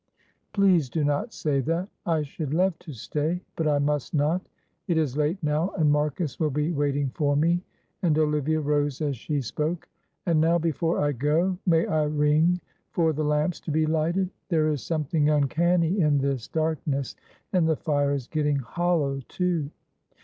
"Please do not say that. I should love to stay, but I must not; it is late now, and Marcus will be waiting for me," and Olivia rose as she spoke. "And now before I go may I ring for the lamps to be lighted? there is something uncanny in this darkness, and the fire is getting hollow too."